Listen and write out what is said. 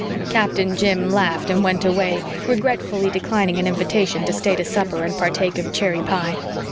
Captain Jim laughed and went away, regretfully declining an invitation to stay to supper and partake of cherry pie.